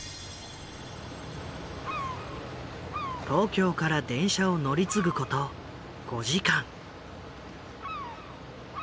東京から電車を乗り継ぐこと５時間。